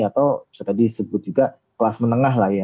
atau bisa tadi disebut juga kelas menengah lah ya